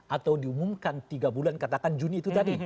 atau diumumkan tiga bulan katakan juni itu tadi